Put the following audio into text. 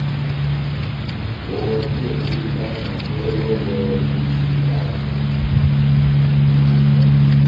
Ohɔmbiyɛndi mba na nyúwɛ́ yɔ́ngɔ ijini ihibakɛ.